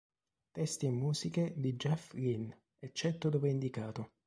Testi e musiche di Jeff Lynne, eccetto dove indicato.